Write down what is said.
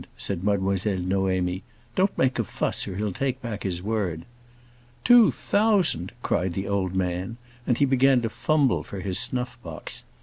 said Mademoiselle Noémie. "Don't make a fuss or he'll take back his word." "Two thousand!" cried the old man, and he began to fumble for his snuff box.